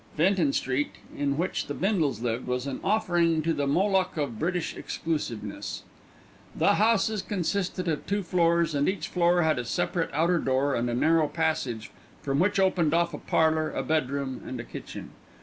Fenton Street, in which the Bindles lived, was an offering to the Moloch of British exclusiveness. The houses consisted of two floors, and each floor had a separate outer door and a narrow passage from which opened off a parlour, a bedroom, and a kitchen.